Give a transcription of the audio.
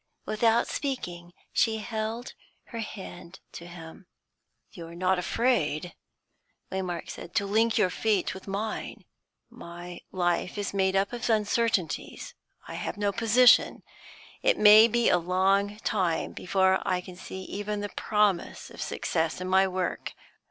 Without speaking, she held her hand to him. "You are not afraid," Waymark said, "to link your fate with mine? My life is made up of uncertainties. I have no position; it may be a long time before I can see even the promise of success in my work.